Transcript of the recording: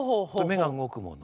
目が動くもの。